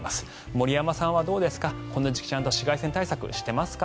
森山さんはどうですかこの時期、ちゃんと紫外線対策してますか？